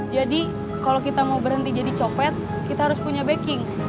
jadi kalau kita mau berhenti jadi copet kita harus punya backing